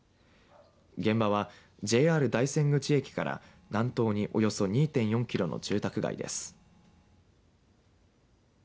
現場はＪＲ大山口駅から南東におよそ２．４キロの住宅街です。